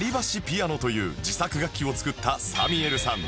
ピアノという自作楽器を作ったサミエルさん